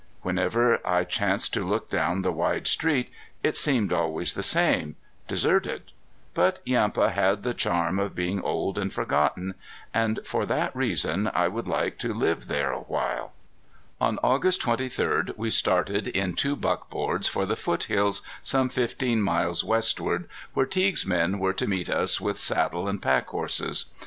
Whenever I chanced to look down the wide street it seemed always the same deserted. But Yampa had the charm of being old and forgotten, and for that reason I would like to live there a while. [Illustration: THE GRASSY UPLANDS, WITH WHITELEY'S PEAK IN THE DISTANCE] On August twenty third we started in two buckboards for the foothills, some fifteen miles westward, where Teague's men were to meet us with saddle and pack horses.